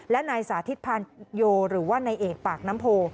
และนายสาธิตพานโยหรือว่านายเอกปากน้ำโพ